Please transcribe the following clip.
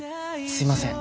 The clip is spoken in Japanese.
すいません。